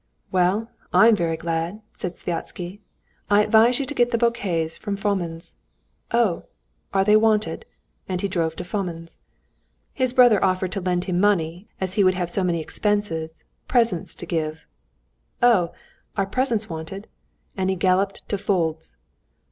"Well, I'm very glad," said Sviazhsky. "I advise you to get the bouquets from Fomin's." "Oh, are they wanted?" And he drove to Fomin's. His brother offered to lend him money, as he would have so many expenses, presents to give.... "Oh, are presents wanted?" And he galloped to Foulde's.